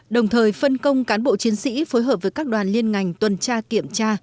đồng thời phân công cán bộ chiến sĩ phối hợp với các đoàn liên ngành tuần tra kiểm tra